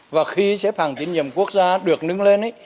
và khi xếp hạng tí nhiệm quốc gia được nâng lên